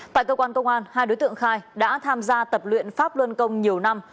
tại cơ quan công an hai đối tượng khai đã tham gia tập luyện pháp luân công nhiều năm